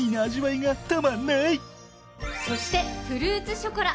そしてフルーツショコラ。